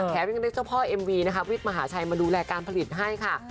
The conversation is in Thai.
ยังได้เจ้าพ่อเอ็มวีนะคะวิทย์มหาชัยมาดูแลการผลิตให้ค่ะ